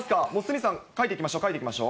鷲見さん、書いていきましょう。